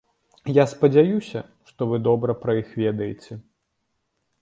Я спадзяюся, што вы добра пра іх ведаеце.